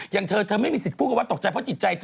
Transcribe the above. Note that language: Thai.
อย่างเธอไม่มีสิทธิ์พูดกับตกใจเพราะจิตใจ